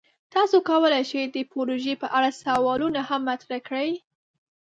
تاسو کولی شئ د پروژې په اړه سوالونه هم مطرح کړئ.